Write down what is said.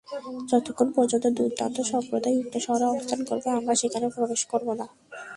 যতক্ষণ পর্যন্ত দুর্দান্ত সম্প্রদায় উক্ত শহরে অবস্থান করবে, আমরা সেখানে প্রবেশ করব না।